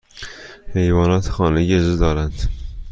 حیوانات خانگی اجازه دارند؟